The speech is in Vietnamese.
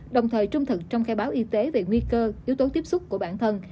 đồng thời trung thực trong khai báo y tế về nguy cơ yếu tố tiếp xúc của bản thân